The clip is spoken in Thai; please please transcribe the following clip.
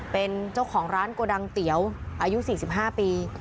เป็นเจ้าของร้านโกดังเตี๋ยวอายุ๔๕ปี